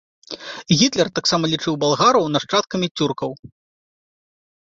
Гітлер таксама лічыў балгараў нашчадкамі цюркаў.